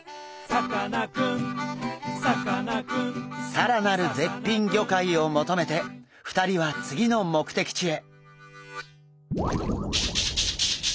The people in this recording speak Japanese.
更なる絶品魚介を求めて２人は次の目的地へ。